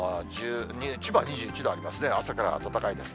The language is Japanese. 千葉は２１度ありますね、朝から暖かいです。